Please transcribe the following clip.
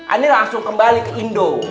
anda langsung kembali ke indo